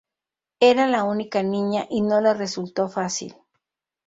Era la única niña y no le resultó fácil.